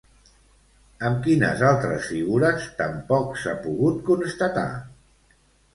Amb quines altres figures tampoc s'ha pogut constatar?